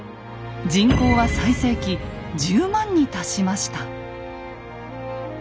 人口は最盛期１０万に達しました。